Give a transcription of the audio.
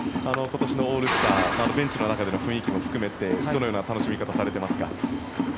今年のオールスターベンチの雰囲気も含めてどのような楽しみ方をされていますか。